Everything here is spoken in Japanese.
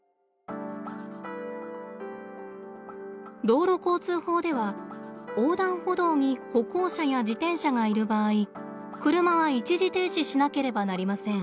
道路交通法では横断歩道に歩行者や自転車がいる場合車は一時停止しなければなりません。